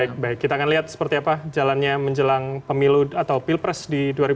baik baik kita akan lihat seperti apa jalannya menjelang pemilu atau pilpres di dua ribu dua puluh